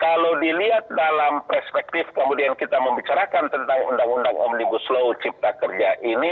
kalau dilihat dalam perspektif kemudian kita membicarakan tentang undang undang omnibus law cipta kerja ini